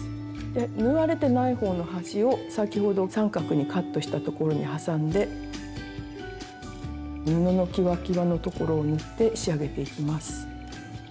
で縫われてないほうの端を先ほど三角にカットしたところに挟んで布のキワキワのところを縫って仕上げていきます。